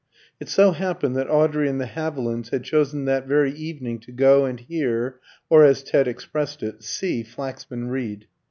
It so happened that Audrey and the Havilands had chosen that very evening to go and hear, or, as Ted expressed it, see Flaxman Reed.